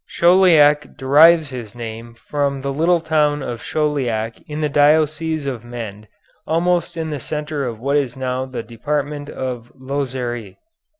Chauliac derives his name from the little town of Chauliac in the diocese of Mende, almost in the centre of what is now the department of Lozère.